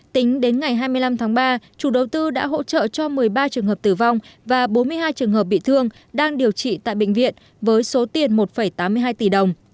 tính đến ngày hai mươi năm tháng ba chủ đầu tư đã hỗ trợ cho một mươi ba trường hợp tử vong và bốn mươi hai trường hợp bị thương đang điều trị tại bệnh viện với số tiền một tám mươi hai tỷ đồng